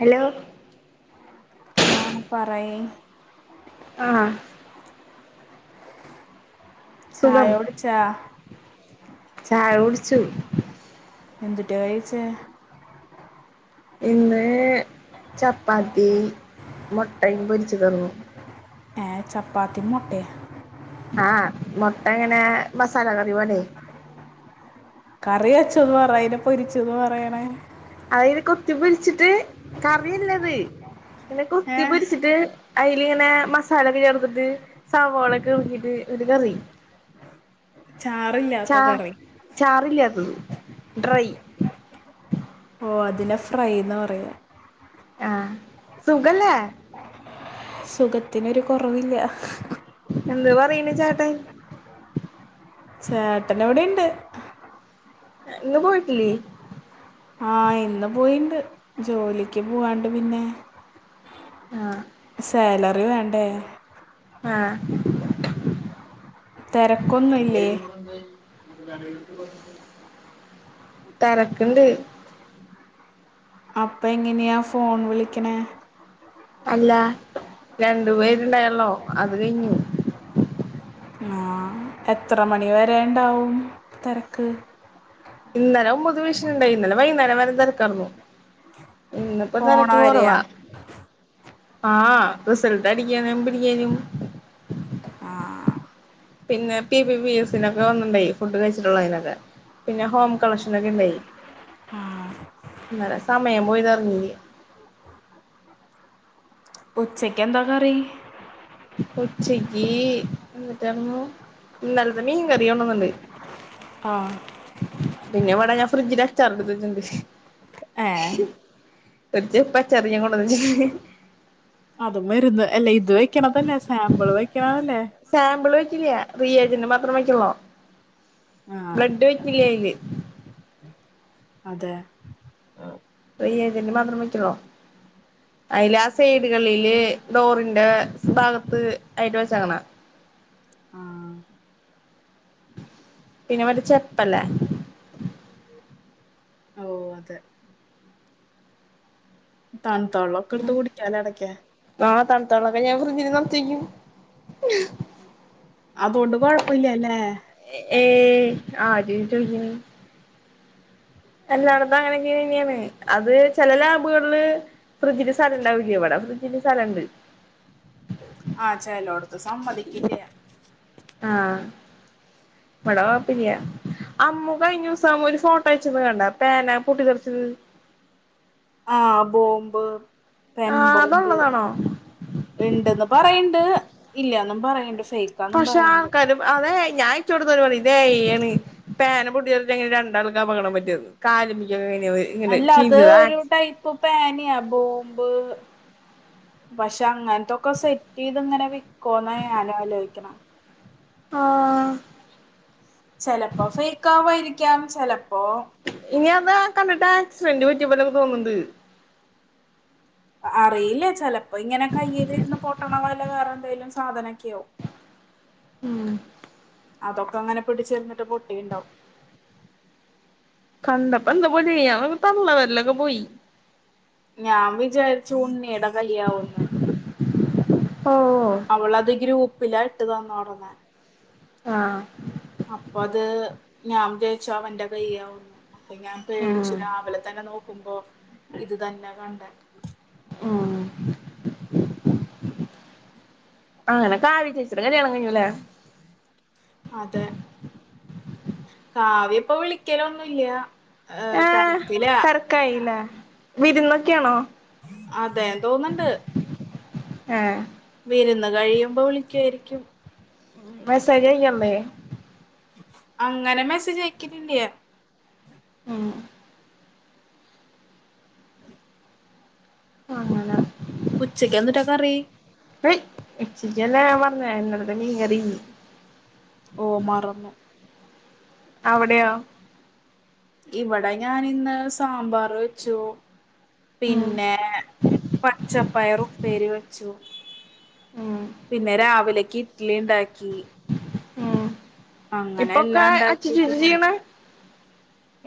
hello ആഹ് പറയ് ആ ചായോട് ചാ ചയ കുടിച്ചു എന്തുറ്റ കയിച്ചേ ഇന്ന് ചപ്പാത്തി മൊട്ടയും പൊരിച്തന്നു ട്ടെ ആഹ് മൊട്ട ഇങ്ങനെ മസാല കറിവോല്ലേ കറി വെച്ചന്ന് പറയല്ല് പൊരിച്ചെന്ന് പറയണേ അതിങ്ങനെ കൊത്തി പൊരിച്ചിട്ട് കറിയല്ലത് ഇങ്ങനെ കൊത്തി ഏഹ് പൊരിച്ചിട്ട് അതിലിങ്ങനെ മ സാലയൊക്കെ ചേർത്തിട്ട് സവാളയൊക്കെ ഒരിഞ്ഞിട്ട് ഒരു കറി ചാറില്ലാത്ത ചാ കറി ചാറില്ലാത്തത് ഡ്രൈ ഓ അതിനെ ഫ്രൈന്നാ പറയുന്നത് ആഹ് സുഖല്ലേ സുഖത്തിനൊരു കുറവില്ല എന്ത് പറയണ് ചേട്ടൻ ചേട്ടനിവിടെയുണ്ട് ഇന്ന് പോയിട്ടില്ലേ ആഹ് ഇന്ന് പോയിണ്ട് ജോലിക്ക് പോവാണ്ട് പിന്നെ ആഹ് സേല അറി വേണ്ടേ ആഹ തിരക്കൊന്നുംല്ലേ തരക്കണ്ട് അപ്പൊ എങ്ങനെയ ഫോൺ വിളിക്കണേ അല്ല രണ്ടു പേരുണ്ടായല്ലോ അത് കഴിഞ്ഞു ആ എത്ര മണി വരെണ്ടാവും തിരക്ക് ഇന്നലെ ഒൻമ്പത് വിീഷണുണ്ടായി ഇന്നലെ വൈകുന്നേരം വരെ തിരക്കറന്നു ഇന്നപ്പോൊ പോണ തിരക്ക് വരെയാ കുറവാ ആഹ് റിസൾട്ട് അടിക്കാന പിടിക്കാനും ആഹ പിന്നെ പി ബി എസൊക്കെ വന്നിണ്ടായി ഫുഡ് കഴിച്ചിട്ടുള്ള അതിനൊക്കെ പിന്നെ ഹോം കളക്ഷൻൊക്കെ ഉണ്ടായി എന്നന്നല്ല സമയം പോയിതറങ്ങ ഉച്ചക്ക് എന്താ കറി കൊച്ചക്ക് എന്നിട്ട നല്ലത മീൻ കറിയോണന്നുണ്ട് ആഹ് പിന്നെ എവിടെ ഞാൻ ഫ്രിഡ്ജില് അച്ചാർ എടുത്തച്ചുണ്ട് ഏഹ് ഒരു ചെപ്പ അച്ചാറി ഞാൻ കൊണ്ടുവന്നച്ചിണ്ട് അതും വരുന്ന് ക സാമ്പലോ റിയേജറ് മാത്രം വക്കള്ളോ ആഹ് ബ്ലഡ് വെച്ചില്ലന് അതെ ഏതറ് മാത്രം വെച്ചളോ അതില് ആ സൈഡുകളില് ഡോറി എന്റെ ഭാഗത്ത് ആയിട്ട് വളിച്ചങ്ങനാ ആഹ പിന്നെവിടെ ചപ്പല്ലേ ഓ അതെ തണുത്തോള്ള ഒക്കെ എടുത്ത് കുടിക്കാലോ ഇടക്ക തണുത്തോളൊക്കെ ഞാൻ ഫ്രിഞ്ഞി നിർത്തിക്കും അതൊണ്ട് കൊഴപ്പില്ലല്ലേ ഏ ആജ അല്ലാടതും അങ്ങനെയൊക്ക തന്നെയാണ് അത് ചില ലാബുകളില് ഫ്രിഡ്ജിന്റെ സ്ഥലം ഇണ്ടാവില്ല എവിട ഫ്രിഡ്ജിന്റെ സ്ഥലണ്ട് ആഹ ചലോടുത്തു സമ്മതിക്കില്ല ആഹ ഇട വ പിനയാ അമ്മു ക കഴിഞ്ഞ ദിവസം ഒരു ഫോട്ടോ അച്ചന്ന് കണ്ട പന പൊട്ടിത്തെെറച്ച ആഹ് ബോംബ് തെൻ ആഹ് ബോമ്പ് അതുള്ളതാണോ ഉണ്ടന്ന് പറ ഹ ഇല്ല്യാന്നും പറയണ് എന്റെ പക്ഷെ ആർക്കാരും അതെയ് ഞാൻ അയ്ച്ചോടുത്ത പറിം ഇതേയ്യാണെ പേന പൊട്ടികങ്ങനെ രണ്ടാൾക്കാ അപകട പറ്റിയത് കാല അല്ല അത് ഒരു ടൈപ്പ് പേന്യാ ബോംബ് പക്ഷെ അങ്ങന്‌ത്തൊക്കെ സെറ്റ് യ്ത് ഇങ്ങനെ വിക്കോന്ന ഞാനാലോയ്ക്ക്ണ് ആഹ് ചെലപ്പോ ഫൈക്കാ വേയ്രിക്കും ക്യാംചലം ഇനിയമ്പാ കണ്ടിട്ടാക്സ്ഡന്റ് പറ്റിയെപ്പോലെ തോന്ന്ണ്ട് അറിയില്ലെ ചെലപ്പ ഇങ്ങനെ കയ്യിലിര്ന്ന് പോട്ടണ വാ വേറെന്തേലും സാധനക്കെയോ ഉം അതൊക്കങ്ങനെ പിടിച്ചരുന്നിട്ട് പൊട്ടീണ്ടാവും കണ്ടപ്പന്തോ പോലെയി അ വ തള്ളവര്ലൊക്കെ പോയി ഞാൻ വിചാരിച്ചു ഉണ്ണിയട [inaudible] വല്യാവൂന്ന് ഓ അവളത് ഗ്രൂ [inaudible] പ്പിലാട്ട് ത്ത്വന്നോട നെ ആഹ് അപ്പൊ അത് ഞാ വ്യാച്ച്ചു അവന്റ കയ്യാവ്ന്ന് അപ്പൊ ഞാൻ ഉം പേടിച്ചു രാവിലെ തന്ന നോക് ക്കുമ്പോ ഇത് തന്നെ കണ്ടെ ആഹ് അങ്ങനെ കാവി ചേച്ചീടെ കല്യാണം കൈഞ്ഞുലെ അതെ കാവ്യപ്പൊ വിളിക്കലൊന്നുല്യ ഏഹ് നെർക്കായില്ലെ വിരുന്നൊക്കെണോ അതെ തോന്ന്ണ്ട് ഏഹ് വിരുന്ന് കഴിയുമ്പോ വിളിക്കായിരിക്കും വസേജയമ്മേ അങ്ങനെ മെസ്സേജയക്കലില്യ ഉം അങ്ങന ഉച്ചക്ക് എന്തിട്ട കറി യ് [unintelligible] ഉച്ചയ്ക്കന്നെ കറി ഞാ പറ്ഞ്ഞെ ഇന്നെലത്തെ മീൻ കറി ഓ മറന്നു അവിടെയോ ഇവിടെ ഞാനിന്ന് സാമ്പാറ് വെച്ചു ഉം പിന്നെ പച്ച പയറുപ്പേരി വച്ചു ഉം പിന്നെ രാവിലെ ക്ക്ട്ലീണ്ടാക്കി ഇപ്പക്കെ ഇണ്ടാക്കിട്ട് പോന്നു [unintelligible]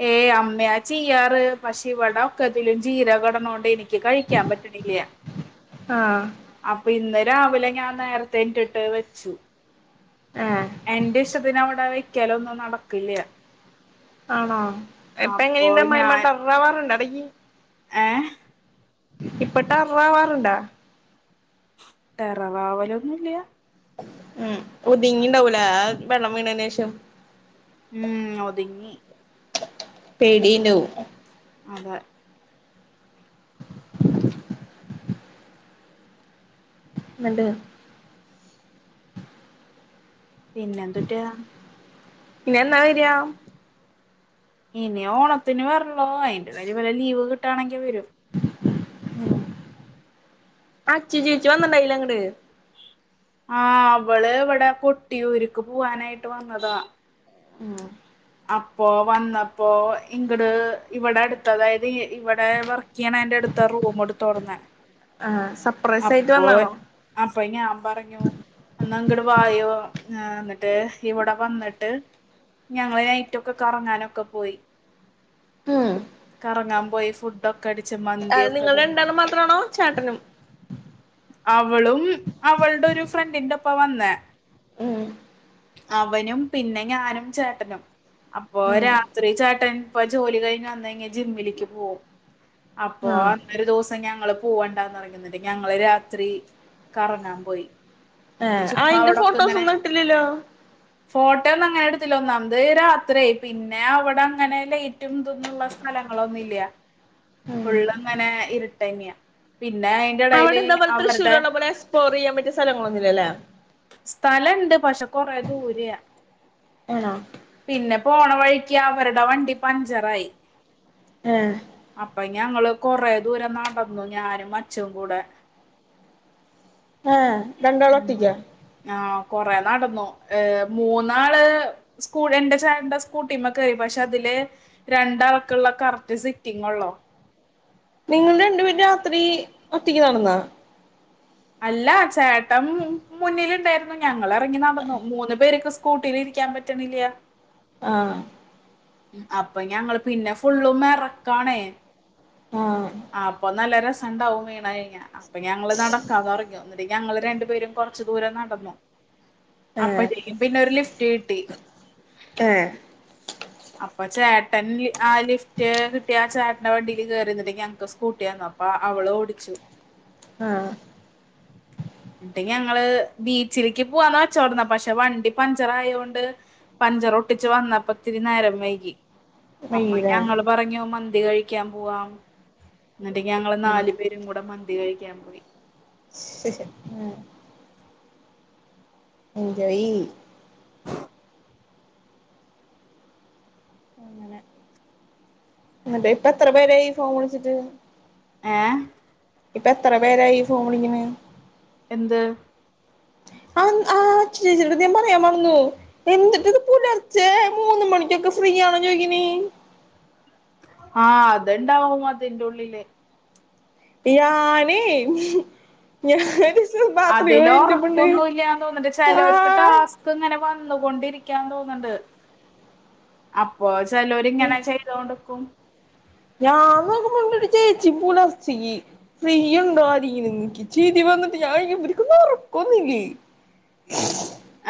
ഏയ് അമ്മയാ ചെയ്യാറ് പക്ഷെ ഇവിട ഒക്കെത്തിലും ജീരകടണോണ്ടെ കഴിയ്കാമ്പറ്റണില്യ ആഹ് അപ്പൊ ഇന്ന രാവിലെ ഞാൻ നേരത്തെണ്റ്റ്ട്ട് വെച്ചു ഏഹ് എന്റെ ഇഷ്ടത്തിന് അവിടെ വെ ക്കലൊന്നും നടക്കില്യ ആണോ ഇപ്പ എങ്ങനെണ്ട് അമ്മായിമ്മ ടെററ് അവറോണ്ടോ എടക് [unintelligible] ഏഹ് ഇപ്പ ടെററാവറോണ്ടോ ട്ടെററാവലൊന്നുല്യാ ഉം ഒതുങ്ങിണ്ടാവൂലേ ആ വെള്ളം വീണയ്നേഷം ഉം ഒതുങ്ങി പേടീണ്ടാവും അതെ ന്ന്ണ്ട് പിന്നെന്തുട്ടാ ഇനി എന്നാ വെര്കാ ഇനി ഓണത്തിന് വർള്ളോ അയിന്റെ [unintelligible] വലലീവ് കിട്ടാണെങ്കി വരും അച്ചു ചേച്ചി വന്ന്ണ്ടായിലേ അങ്ങട് ആഹ് അവള് ഇവടെ കൊട്ടിയൂരിക്ക് പോവാനായിട്ട് വന്നതാ ആ അപ്പോ വന്നപ്പോഇഗ്‌ഡ് ഇവിടെ അടുത്ത അതായത് ഇവടെ വർക്കെയ്യ്ണേന്റട്ത്ത റൂമെട്ത്തോട്ന്നെ ആഹ് സർപ്രൈസ് ആയിട്ട് അപ്പൊ വന്നാണോ അപ്പ ഞാൻ പറഞ്ഞു എന്നാ ഇങ്ങട് വായോ ആ ന്നിട്ട് ഇവ്ടെ വന്ന്ട്ട് ഞങ്ങള് നൈറ്റൊക്കെ കറങ്ങാനൊക്കെ പോയി ആ പോയ് ഫുഡോ അത് നിങ്ങള് രണ്ടാളും മാത്രാണോ ചേട്ടനും അവളും അവൾടൊരു ഫ്രണ്ടിന്റെപ്പാ വന്നേ ഉം അവനും പിന്നെ ഞാനും ചേട്ടനും അപ്പൊ ഉം രാത്രി ചേട്ടൻ പ്പ ജോലി കഴിഞ്ഞ് വന്നയ്ഞ്ഞ ജിമ്മില്ക്ക് പോവും അപ്പൊ ആഹ് അന്നൊരു ദുസ് ഞങ്ങള് പൂവണ്ടാന്ന് പറഞ്ഞ് ന്ന്ട്ട് ഞങ്ങ ങ്ങള് രാത്രി കറങ്ങാൻ പോയി ഏ എന്നിട്ട് ചുമ്മാ ആയിന്റെ അവിടൊക്കെ ഫോട്ടോസൊന്നും ഇട്ടില്ലല്ലോ ട്ടോ ഒന്നും അങ്ങനെ എടുത്തില്ല ഒന്നാമത് രാത്രി പിന്നെ അവടങ്ങനെ ലൈറ്റും ഇതൊന്നുള്ള സ്ഥലങ്ങളൊന്നില്ല്യ ഉം ഫുള്ള്ങ്ങനെ ഇരുട്ടെന്യ പിന്നെ അയ്ന്റെ അവിടെന്തൊപോലെ തൃശൂരുള്ള പോലെ എക്സ്പോറെയ്യാൻ പറ്റിയ സ്ഥലങ്ങളൊന്നുല്ലല്ലേ സ്ഥലംണ്ട് പക്ഷെ കൊറേ ദൂര്യേ അണോ പോണവഴിക്ക് അവര്ടെ വണ്ടി പഞ്ചറായി ഏഹ് പ്പയ് ഞങ്ങള് കൊറെ ദൂരം നടന്നു ഞാനും അച്ചും കൂടെ ഏഹ് രണ്ടാളും ഒറ്റക് ഉം യാ ആ കൊറേ നടന്നു ഏഹ് മൂന്നാള് സ്കൂളിന്റെ എന്റെ ചേട്ടൻ്റെ സ്കൂട്ടിമ്മേ കേറി പക്ഷെ അതില് രണ്ടാൾക്കുള്ള കറക്റ്റ് സിറ്റിംഗ് ഒള്ളോ നിങ്ങള് രണ്ട്പേര് രാത്രി ഒറ്റക്ക് നടന്നാ അല്ല ചേട്ടൻ മു മുന്നിലുണ്ടായിരുന്നു ഞാ ഞങ്ങള് എറങ്ങി നടന്നു മൂന്ന് പേര്ക്ക് സ് സ്കൂട്ടിലിരിക്കാൻ പറ്റ്ണില്ല്യ ആഹ് അപ്പൊ ഞങ്ങള് പിന്ന ഫുള്ളും എറക്കാണേ ആഹ് ആ അപ്പൊ നല്ല രസ ണ്ടാവും വീണഴി ഞ്ഞാ അപ്പ ഞങ്ങള് നട ന്നു എന്നിട്ടെ ഞങ്ങള് രണ്ടുപേരും കൊറച്ചു ദൂരം നടന്നു ഏഹ് അപ്പഴത്തേക്കും പിന്ന ഒരു ലിഫ് റ്റ് കിട്ടി ഏഹ് അപ്പ ചേട്ടൻ ആ ലിഫ്റ്റ് കിട്ടിയ ചേട്ടന്റെ വണ്ടില് കേറിന്നട്ട് ഞങ്ങക്ക് സ്കൂട്ടി തന്നു അപ്പ അവള് ഓടിച്ചു ആഹ് എന്നിട്ട് ഞങ്ങള് ബീച്ചിലേക്ക് പോവാന്ന് വെച്ചോണ്ട്ന്ന പക്ഷെ വണ്ടി പഞ്ചർ ആയ കൊണ്ട് പഞ്ചർ ഒട്ടിച്ച് വന്നപ്പ ഒത്തിരി നേരം വൈകി അപ്പ വയ്യല്ലേ ഞങ്ങള്പറഞ്ഞു മൻ ന്തി കഴിക്കാൻ പോവാം എന്നിട്ട് ഞങ്ങള് ഉം നാല് പേരും കൂടെ മന്തി കഴിക്കാൻ പോയി ഏഹ് എൻജോയ് അതെ ഇപ്പ എത്ര പേരായി ഫോൺ വിളിച്ചിട്ട് ഏ ഇപ്പ എത്ര പേരായി ഫോൺ വിളിക്ണ് എന്ത് ആ ആ ച് ച് ഞാൻ പറയാൻ മറന്നു എന്തുട്ടേ ഇത് പുലർച്ചെ മൂന്ന് മണിക്കൊക്കെ ഫ്രീയാണോ ചോയിക്കുന്നെ ആഹ് അത്ണ്ടാവും അതിന്റ ഉള്ളില് ഇ യാന് അതിലോ [unintelligible] ക്കൊന്നുംല്ലാന്ന് തോന്നണ്ട് ആ ചെലോരക്ക് ടാസ്ക് ഇങ്ങനെ വന്ന് കൊണ്ടിരി [unintelligible] അപ്പോ [unintelligible] ചെലോര് ഇങ്ങനെ ചെയ്തോണ്ട്ക്കും ഞാന്നൊക്കുമ്പോ [unintelligible] ചേച്ചി [unintelligible] ഫ്രീ ഉണ്ടോ [unintelligible] ചിരി വന്നിട്ട് ഞാൻ ഇവർക്കൊന്നും ഉറക്കൊന്നില്ലേ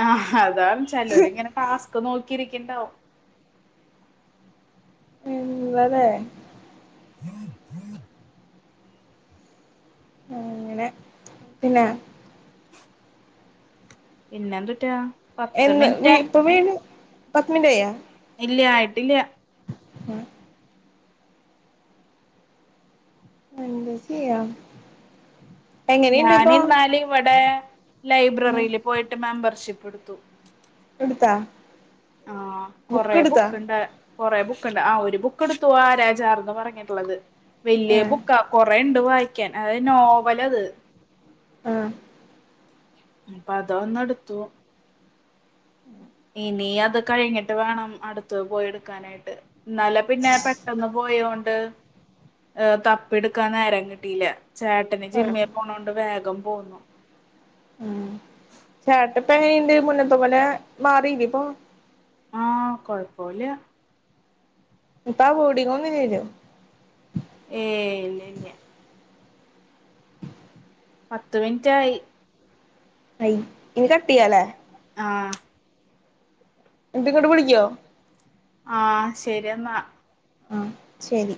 ആഹ് അതാണ് ചെലോര് ഇങ്ങനെ ടാസ്ക് നോക്കിരി ഇണ്ടാവും [unintelligible] [unintelligible] ആ അങ്ങനെ പിന്നെ പിന്നെന്തൂട്ടാ എന്ന് ഇപ്പൊ വീട് പത്മില്യ ഇല്ല ആയിട്ടില്ല ആ [unintelligible] എന്ത ചെയ്യ ഞാനി ന്നാലും ഇവിടെ ലൈബ്രറിയിൽ പോയിട്ട് മെമ്പർ ശ്യപ്പെടുത്തു കുടുത്ത ആ കൊറെ ബുക്ക് ഇണ്ട് കുറെേ ബുക്കണ്ട് ആ ഒരു ബുക്ക് എടുത്തു ആരാചാർന്ന് പറഞ്ഞിട്ടുള്ളത് വലിയ ആഹ് ബുക്ക കൊറേണ്ട് വായിക്കാൻ അത നോവൽ അത് ആഹ അപ്പൊ അത ഒന്ന എടുത്തു ഉം [inaudible] ഇനി അത് കഴിഞ്ഞിട്ട് വേണം അടുത്തത് പോയി എടുക്കാനായിട്ട് എന്നാലും പിന്നെ പെട്ടന്ന് പോയോണ്ട് തപ്പെടുക്കാന്ന ആരം കിട്ടീല്ല ചേട്ടന് ആഹ് ജിമ്മൽ പോണോണ്ട് വേഗം പോന്നു ഉം ചേട്ട പേ എങനിണ്ട് മുന്നത്തെ പോലെ മാറിലിപ്പോ കുഴപ്പമില്ല ഇപ്പ ആ ബോഡിങ്ങ ഒന്നില്ലല്ലോ ഏല്ലല്ല പത്ത് മിനിറ്റ് ആയി ആയി ഇനി കട്ടിയാലെ ആഹ് എന്ത് ഇങ്ങോട്ട് വിളിക്കോ ആ ശരിന്നാ ആ ശരി